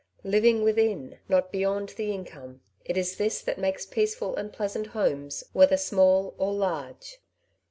Living within, not beyond, the income— it is this that makes peaceful and pleasant homes, whether small or large.